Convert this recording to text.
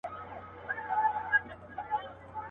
د تورو وریځو به غړومبی وي خو باران به نه وي.